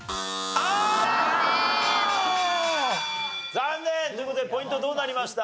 残念！という事でポイントどうなりました？